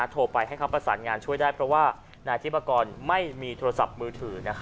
โทรไปให้เขาประสานงานช่วยได้เพราะว่านายทิพกรไม่มีโทรศัพท์มือถือ